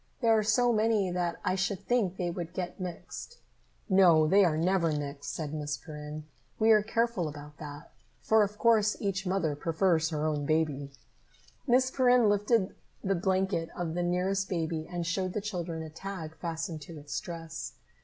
"There are so many that I should think they would get mixed." "No, they are never mixed," said Miss Perrin. "We are careful about that, for of course each mother prefers her own baby." Miss Perrin lifted the blanket of the nearest baby and showed the children a tag fastened to its dress.